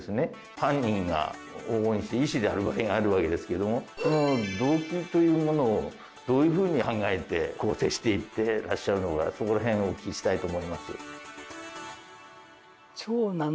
犯人が往々にして医師であるときがあるわけですけどもその動機というものをどういうふうに考えて構成していってらっしゃるのかそこら辺をお聞きしたいと思います。